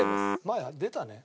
前出たね。